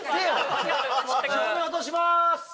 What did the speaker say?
照明落とします。